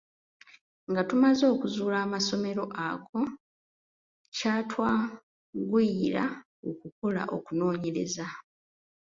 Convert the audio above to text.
Nga tumaze okuzuula amasomero ago, kyatwanguyira okukola okunoonyereza.